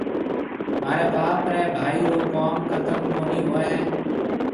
مهاريَ ٻاپ ريَ ڀائي رو ڪوم ختم ڪونَي هوئي هيَ۔